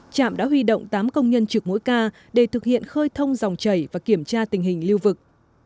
trạm đã huy động tám công nhân trực mỗi ca để thực hiện khơi thông dòng chảy và kiểm tra tình hình lưu vực